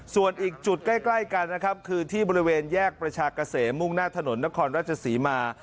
ส่วนอีกจุดใกล้กันนะครับคือที่บริเวณแยกประชากะเสมมุ่งหน้าถนนนครราชศรีมา